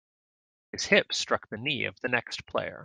His hip struck the knee of the next player.